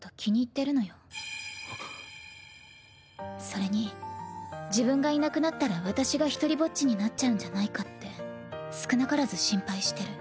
それに自分がいなくなったら私が一人ぼっちになっちゃうんじゃないかって少なからず心配してる。